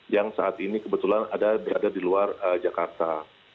yang saat ini kebetulan berada di luar jakarta